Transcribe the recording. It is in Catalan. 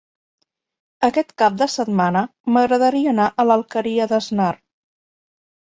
Aquest cap de setmana m'agradaria anar a l'Alqueria d'Asnar.